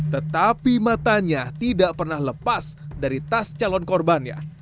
tetapi matanya tidak pernah lepas dari tas calon korbannya